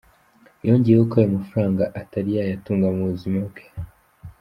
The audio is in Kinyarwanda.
Yongeyeho ko ayo mafaranga atari yayatunga mu buzima bwe.